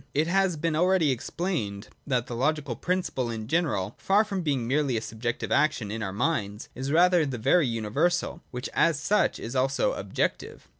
It has been already explained that the Logical principle in general, far from being merely a subjective action in our minds, is rather the very universal, which as such is also objective.